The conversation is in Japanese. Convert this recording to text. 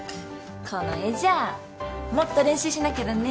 この絵じゃもっと練習しなきゃだね。